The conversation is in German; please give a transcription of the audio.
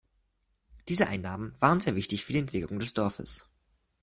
Diese Einnahmen waren sehr wichtig für die Entwicklung des Dorfes.